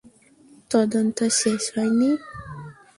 তদন্ত শেষ হয়নি।